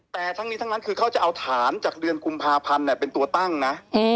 แต่ทั้งนี้ทั้งนั้นคือเขาจะเอาฐานจากเดือนกุมภาพันธ์เป็นตัวตั้งนะ